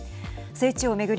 聖地を巡り